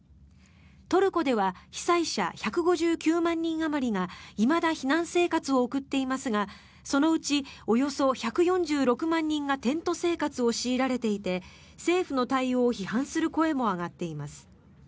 トルコでは被災者１５９万人あまりがいまだ避難生活を送っていますがそのうち、およそ１４６万人がテント生活を強いられていて政府の対応を批判する声も上がっています。